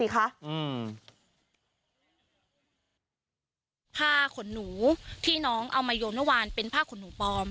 ผ้าขนหนูที่น้องเอามาโยมเมื่อวานเป็นผ้าขนหนูปลอม